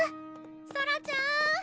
ソラちゃーん